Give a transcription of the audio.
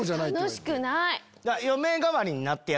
楽しくない！